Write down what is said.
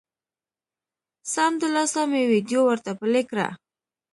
سمدلاسه مې ویډیو ورته پلې کړه